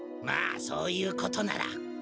まあそういうことなら。